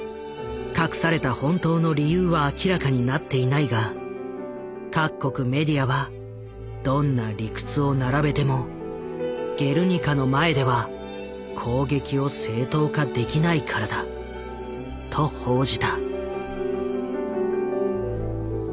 隠された本当の理由は明らかになっていないが各国メディアは「どんな理屈を並べても『ゲルニカ』の前では攻撃を正当化できないからだ」と報じた。